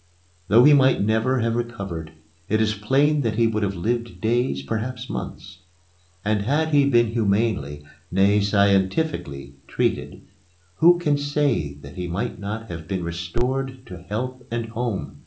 Though he might never have recovered, it is plain that he would have lived days, perhaps months. And had he been humanely, nay, scientifically, treated, who can say that he might not have been restored to health and home?